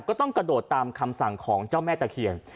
ก็ต้องกระโดดตามคำสั่งของเจ้าแม่ตะเคียน